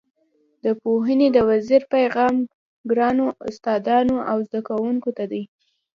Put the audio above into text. د پوهنې د وزیر پیغام ګرانو استادانو او زده کوونکو ته دی.